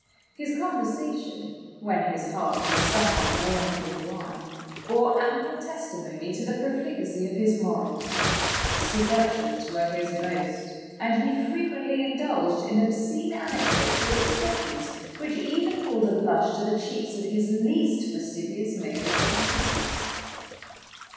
His conversation, when his heart was somewhat warmed with wine, bore ample testimony to the profligacy of his morals: seductions were his boast; and he frequently indulged in obscene anecdotes or expressions which even called a blush to the cheeks of his least fastidious male acquaintances.